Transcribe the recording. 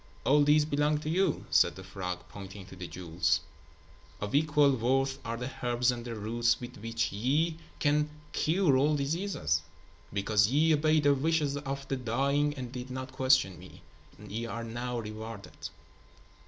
"All these belong to you," said the frog, pointing to the jewels. "Of equal worth are the herbs and the roots with which ye can cure all diseases. Because ye obeyed the wishes of the dying and did not question me, ye are now rewarded."